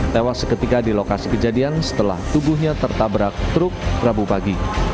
tewas seketika di lokasi kejadian setelah tubuhnya tertabrak truk rabu pagi